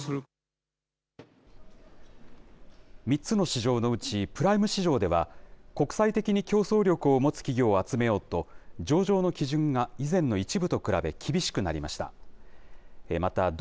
３つの市場のうち、プライム市場では、国際的に競争力を持つ企業を集めようと、上場の基準が以前の１部と比べ厳しくなりました。